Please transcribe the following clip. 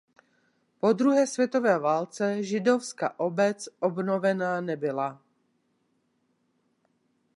Po druhé světové válce židovská obec obnovena nebyla.